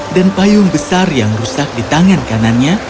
dan payung besar yang rusak di tangan kanannya